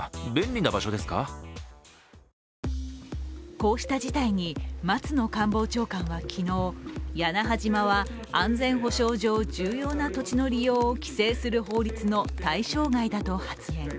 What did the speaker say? こうした事態に、松野官房長官は昨日屋那覇島は安全保障上、重要な土地の利用を規制する法律の対象外だと発言。